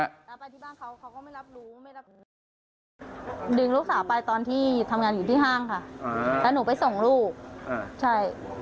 ดึงลูกสาวไปตอนที่ทำงานอยู่ที่ห้างค่ะแล้วหนูไปส่งลูกใช่